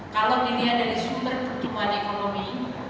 kalau dilihat dari sumber pertumbuhan ekonomi